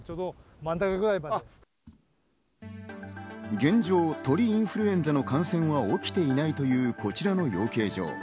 現状、鳥インフルエンザの感染は起きていないというこちらの養鶏場。